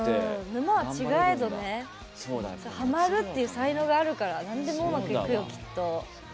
沼は違えどハマるっていう才能があるからなんでもうまくいくよ。